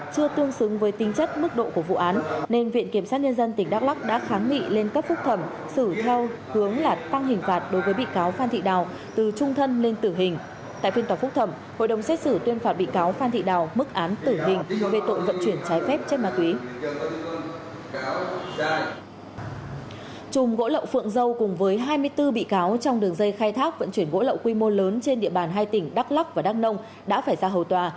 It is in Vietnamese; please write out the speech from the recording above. chùm gỗ lậu phượng dâu cùng với hai mươi bốn bị cáo trong đường dây khai thác vận chuyển gỗ lậu quy mô lớn trên địa bàn hai tỉnh đắk lắc và đắk nông đã phải ra hầu tòa